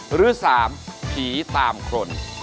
หรือสามผีตามคน